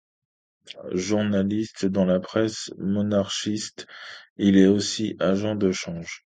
Journaliste dans la presse monarchiste, il est aussi agent de change.